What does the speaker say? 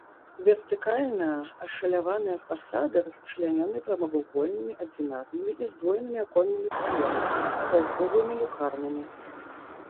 Вертыкальна ашаляваныя фасады расчлянёны прамавугольнымі адзінарнымі і здвоенымі аконнымі праёмамі, паўкруглымі люкарнамі.